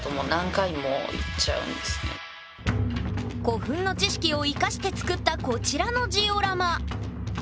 古墳の知識を生かして作ったこちらのジオラマ。